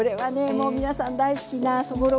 もう皆さん大好きなそぼろご飯はね